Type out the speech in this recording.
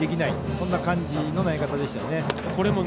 そんな感じの投げ方です。